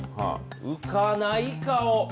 浮かない顔。